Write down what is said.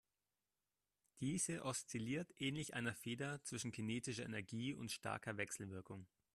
Diese oszilliert ähnlich einer Feder zwischen kinetischer Energie und starker Wechselwirkung.